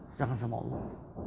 serahkan sama allah